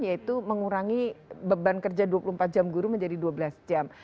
yaitu mengurangi beban kerja dua puluh empat jam guru menjadi dua belas jam